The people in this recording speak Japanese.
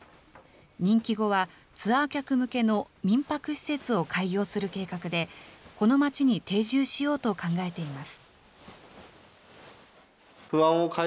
任期後は、ツアー客向けの民泊施設を開業する計画で、この町に定住しようと考えています。